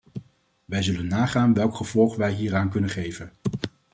Wij zullen nagaan welk gevolg wij hieraan kunnen geven.